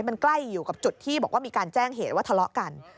มันใกล้อยู่กับจุดที่บอกว่ามีการแจ้งเหตุว่าทะเลาะกัน